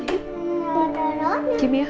beri aku cinta